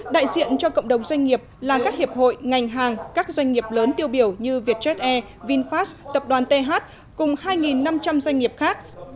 đại diện cho cộng đồng doanh nghiệp là các hiệp hội ngành hàng các doanh nghiệp lớn tiêu biểu như vietjet air vinfast tập đoàn th cùng hai năm trăm linh doanh nghiệp khác